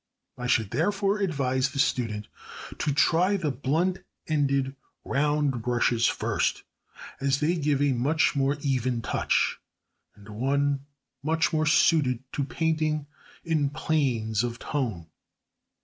I should therefore advise the student to try the blunt ended round brushes first, as they give a much more even touch, and one much more suited to painting in planes of tone.